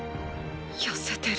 やせてる。